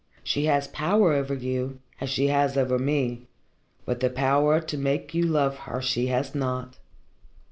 She has power over you, as she has over me, but the power to make you love her she has not.